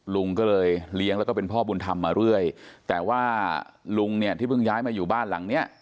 ลุงก็เลยเลี้ยงแล้วก็เป็นพ่อบุญธรรมมาเรื่อยแต่ว่าลุงเนี่ยที่เพิ่งย้ายมาอยู่บ้านหลังเนี้ย